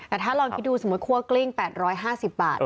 แต่ถ้าลองคิดดูสมมุติคั่วกลิ้ง๘๕๐บาท